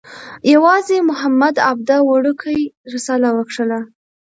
یوازې محمد عبده وړکۍ رساله وکښله.